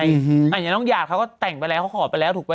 อย่างนี้ท่านต๊องยาเขาก็แต่งไปแล้วต่างใจแล้ว